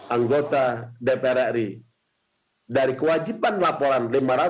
anggota dpr ri dari kewajiban laporan lima ratus enam puluh sembilan